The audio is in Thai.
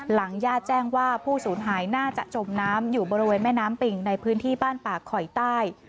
ญาติแจ้งว่าผู้สูญหายน่าจะจมน้ำอยู่บริเวณแม่น้ำปิ่งในพื้นที่บ้านป่าคอยใต้